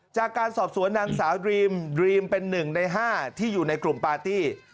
จากการสอบสวนนางสาวดรีมดรีมเป็น๑ใน๕ที่อยู่ในกลุ่มปาร์ตี้